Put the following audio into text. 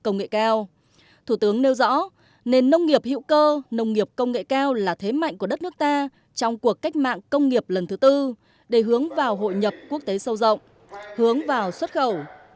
nông nghiệp hữu cơ nông nghiệp công nghệ cao là thế mạnh của đất nước ta trong cuộc cách mạng công nghiệp lần thứ tư để hướng vào hội nhập quốc tế sâu rộng hướng vào xuất khẩu